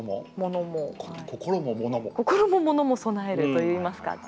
心も物も備えるといいますか。